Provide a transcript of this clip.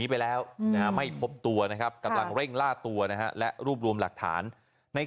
เขาชอบหนูเหรอหรือยังไง